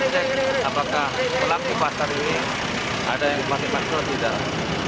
memang mencari apakah pelanggi pasar ini ada yang pakai masker atau tidak